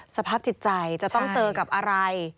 สภาพจิตใจจะต้องเจอกับอะไร